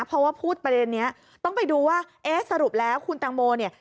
เพราะว่าพูดประเด็นนี้ต้องไปดูว่าเอ๊ะสรุปแล้วคุณตังโมเนี่ย